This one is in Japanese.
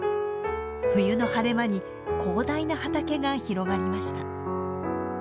冬の晴れ間に広大な畑が広がりました。